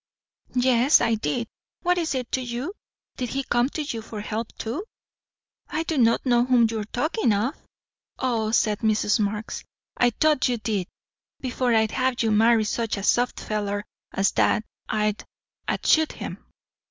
"Yes, I did. What is it to you? Did he come to you for help too?" "I do not know whom you are talking of." "Oh!" said Mrs. Marx. "I thought you did. Before I'd have you marry such a soft feller as that, I'd I'd shoot him!"